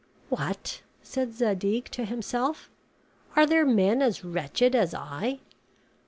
"What!" said Zadig to himself, "are there men as wretched as I?"